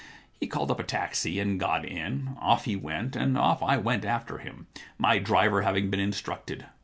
He called up a taxi and got in. Off he went, and off I went after him, my driver having been instructed.